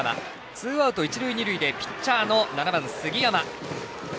ツーアウト、一塁二塁でピッチャーの７番、杉山。